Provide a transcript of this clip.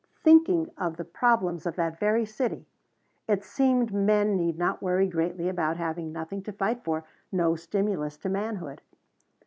Thinking of the problems of that very city, it seemed men need not worry greatly about having nothing to fight for, no stimulus to manhood.